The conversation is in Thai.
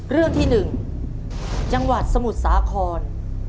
เรื่องที่๑จังหวัดสมุทรสาคร